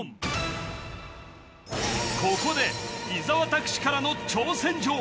ここで伊沢拓司からの挑戦状